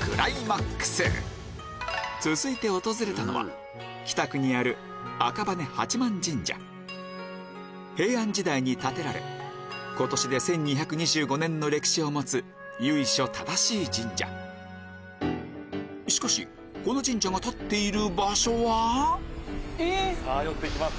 クライマックス続いて訪れたのは北区にある平安時代に建てられ今年で１２２５年の歴史を持つ由緒正しい神社しかしこの神社が立っている場所はえっ⁉さぁ寄っていきます。